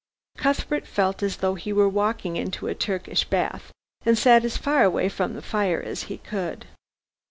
Cuthbert felt as though he were walking into a Turkish bath, and sat as far away from the fire as he could.